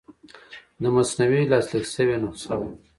د مثنوي لاسلیک شوې نسخه وه.